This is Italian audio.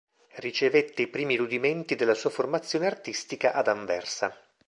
Ricevette i primi rudimenti della sua formazione artistica ad Anversa.